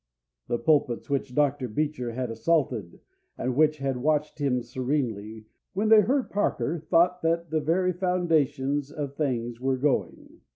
The pulpits which Dr. Beecher had assaulted, and which had watched him serenely, when they heard Parker thought that the very foundations of things were going.